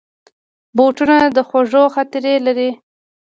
بوټونه د خوږو خاطرې لري.